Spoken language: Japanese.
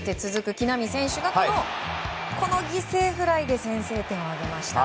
木浪選手がこの犠牲フライで先制点を挙げましたね。